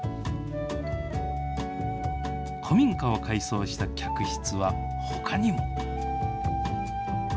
古民家を改装した客室はほかにも。